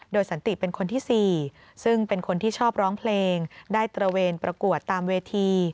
โดยสันติเป็นคนที่๔ซึ่งเป็นคนที่ชอบร้องเพลงได้ตระเวนประกวดตามเวที